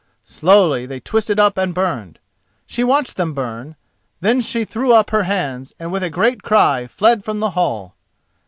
Slowly they twisted up and burned. She watched them burn, then she threw up her hands and with a great cry fled from the hall.